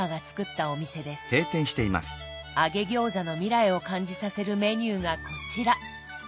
揚げ餃子の未来を感じさせるメニューがこちら。